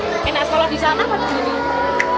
enak sekolah di sana apa